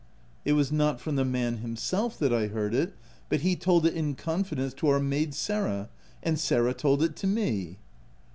u It was not from the man himself, that I heard it; but he told it in confidence to our maid Sarah, and Sarah told it to me."